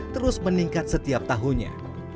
terus meningkat setiap tahunnya